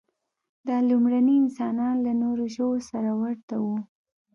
دا لومړني انسانان له نورو ژوو سره ورته وو.